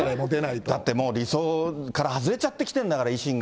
だってもう、理想から外れちゃってきてるんだから、維新が。